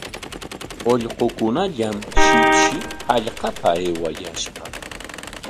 Ullqukunallam shipshi hallqapa aywayashqa.